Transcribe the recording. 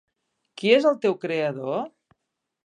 Qui és el teu creador?